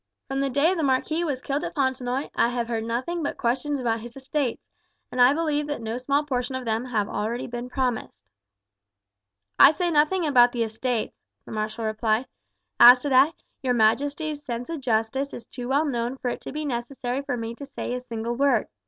From the day the marquis was killed at Fontenoy I have heard nothing but questions about his estates, and I believe that no small portion of them have been already promised." "I say nothing about the estates," the marshal replied; "as to that, your majesty's sense of justice is too well known for it to be necessary for me to say a single word.